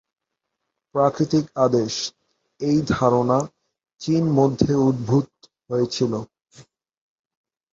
প্রাকৃতিক আদেশ এই ধারণা চীন মধ্যে উদ্ভূত হয়েছিল।